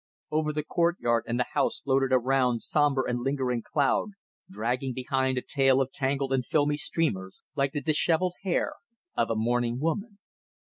Over the courtyard and the house floated a round, sombre, and lingering cloud, dragging behind a tail of tangled and filmy streamers like the dishevelled hair of a mourning woman.